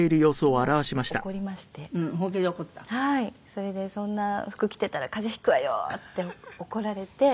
それで「そんな服着てたら風邪引くわよ！」って怒られて。